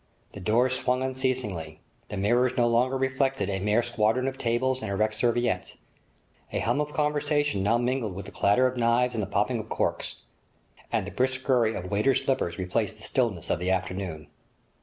The doors swung unceasingly; the mirrors no longer reflected a mere squadron of tables and erect serviettes; a hum of conversation now mingled with the clatter of knives and the popping of corks; and the brisk scurry of waiters' slippers replaced the stillness of the afternoon.